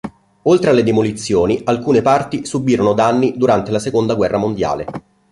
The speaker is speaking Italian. Oltre alle demolizioni alcune parti subirono danni durante la seconda guerra mondiale.